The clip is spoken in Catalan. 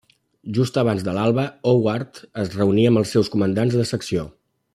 Just abans de l'alba Howard es reuní amb els seus comandants de secció.